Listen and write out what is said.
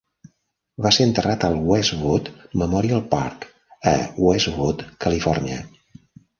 Va ser enterrat al Westwood Memorial Park a Westwood, Califòrnia.